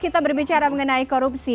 kita berbicara mengenai korupsi